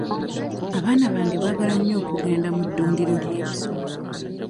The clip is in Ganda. Abaana bange baagala nnyo okugenda mu ddundiro ly'ebisolo.